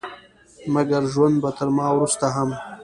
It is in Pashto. مګر ژوند به تر ما وروسته هم